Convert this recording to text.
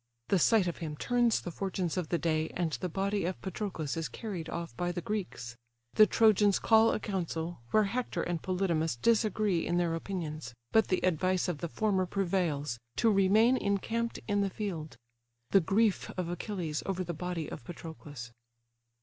The sight of him turns the fortunes of the day, and the body of Patroclus is carried off by the Greeks. The Trojans call a council, where Hector and Polydamas disagree in their opinions: but the advice of the former prevails, to remain encamped in the field. The grief of Achilles over the body of Patroclus.